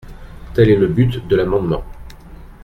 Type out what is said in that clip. Tel est le but de l’amendement.